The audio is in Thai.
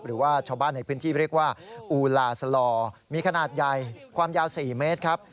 หรือว่าชาวบ้านในพื้นที่เรียกว่าอูลาสลอมีขนาดใหญ่ความยาว๔เมตรครับ